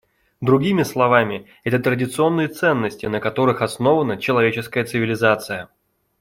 Другими словами, это традиционные ценности, на которых основана человеческая цивилизация.